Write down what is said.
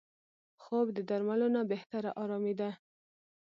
خوب د درملو نه بهتره آرامي ده